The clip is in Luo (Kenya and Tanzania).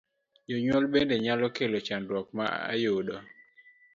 Jonyuol bende nyalo kelo chandruok ma yudo